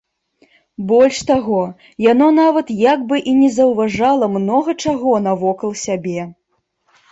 Больш таго, яно нават як бы і не заўважала многа чаго навокал сябе.